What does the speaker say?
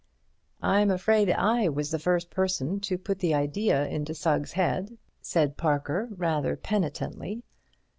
"I'm afraid I was the first person to put the idea into Sugg's head," said Parker, rather penitently.